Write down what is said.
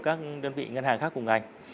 các đơn vị ngân hàng khác cùng ngành